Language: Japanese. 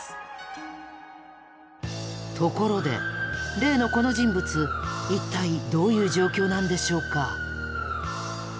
ところで例のこの人物一体どういう状況なんでしょうか？